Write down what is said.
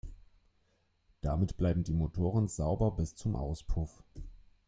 Damit bleiben die Motoren sauber bis zum Auspuff.